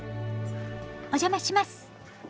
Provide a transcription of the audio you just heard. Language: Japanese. お邪魔します。